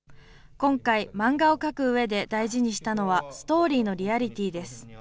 今回、漫画を描くうえで大事にしたのは、ストーリーのリアリティーです。